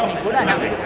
thành phố đà nẵng